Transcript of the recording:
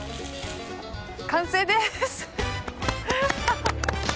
完成です。